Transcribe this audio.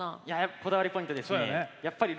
こだわりポイントですね。